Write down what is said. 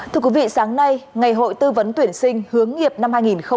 thưa quý vị sáng nay ngày hội tư vấn tuyển sinh hướng nghiệp năm hai nghìn hai mươi